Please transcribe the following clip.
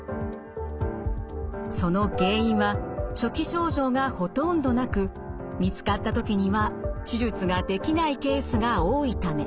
その原因は初期症状がほとんどなく見つかった時には手術ができないケースが多いため。